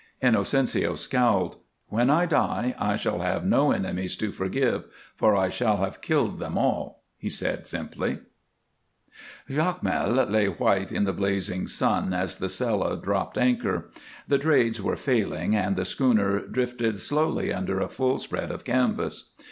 Inocencio scowled. "When I die I shall have no enemies to forgive, for I shall have killed them all," he said, simply. Jacmel lay white in the blazing sun as the Stella dropped anchor. The trades were failing, and the schooner drifted slowly under a full spread of canvas.